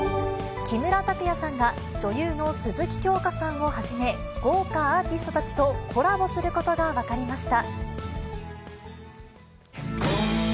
木村拓哉さんが女優の鈴木京香さんをはじめ、豪華アーティストたちとコラボすることが分かりました。